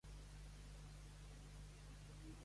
Viu a St Columb Major, on té una galeria.